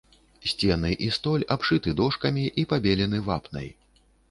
Сцены і столь абшыты дошкамі і пабелены вапнай.